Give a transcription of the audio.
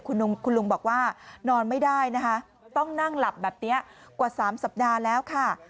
คุณลุงบอกว่านอนไม่ได้นะคะต้องนั่งหลับแบบนี้กว่า๓สัปดาห์แล้วค่ะ